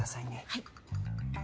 はい。